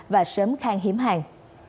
và sớm khang hiếm hàng